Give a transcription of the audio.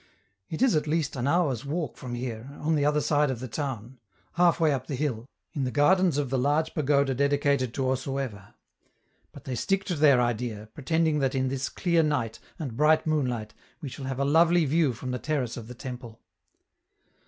It is at least an hour's walk from here, on the other side of the town, halfway up the hill, in the gardens of the large pagoda dedicated to Osueva; but they stick to their idea, pretending that in this clear night and bright moonlight we shall have a lovely view from the terrace of the temple.